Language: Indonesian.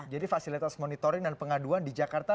jadi fasilitas monitoring dan pengaduan di jakarta